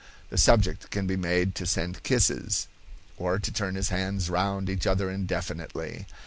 The subject can be made to send kisses, or to turn his hands round each other indefinitely.